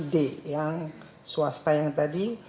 d yang swasta yang tadi